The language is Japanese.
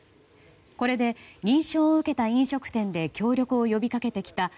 これで認証を受けた飲食店で協力を呼びかけてきた